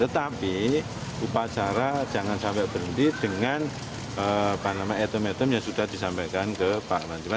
tetapi upacara jangan sampai berhenti dengan item item yang sudah disampaikan ke pak nantiman